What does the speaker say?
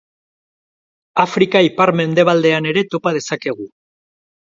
Afrika ipar-mendebaldean ere topa dezakegu.